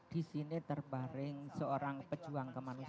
di sini terbaring seorang pejuang kemanusiaan